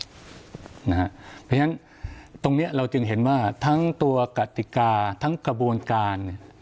เพราะฉะนั้นตรงนี้เราจึงเห็นว่าทั้งตัวกติกาทั้งกระบวนการ